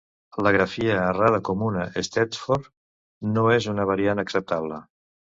La grafia errada comuna Stetchford no és una variant acceptable.